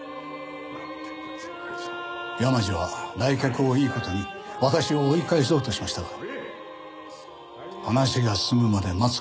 山路は来客をいい事に私を追い返そうとしましたが話が済むまで待つからと粘って私は隣の書斎に移りました。